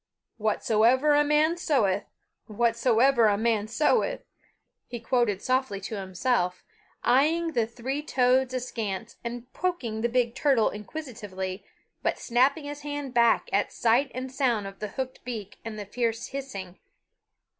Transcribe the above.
"Whatsoever a man soweth, whatsoever a man soweth," he quoted softly to himself, eying the three toads askance, and poking the big turtle inquisitively, but snapping his hand back at sight and sound of the hooked beak and the fierce hissing.